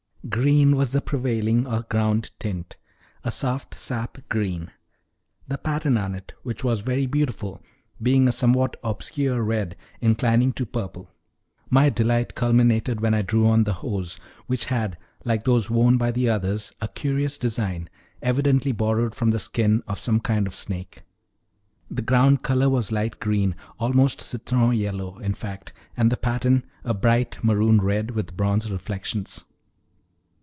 Green was the prevailing or ground tint a soft sap green; the pattern on it, which was very beautiful, being a somewhat obscure red, inclining to purple. My delight culminated when I drew on the hose, which had, like those worn by the others, a curious design, evidently borrowed from the skin of some kind of snake. The ground color was light green, almost citron yellow, in fact, and the pattern a bright maroon red, with bronze reflections.